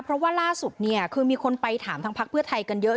เพราะว่าล่าสุดเนี่ยคือมีคนไปถามทางพักเพื่อไทยกันเยอะ